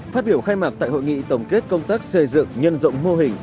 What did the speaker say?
phát biểu khai mạc tại hội nghị tổng kết công tác xây dựng nhân rộng mô hình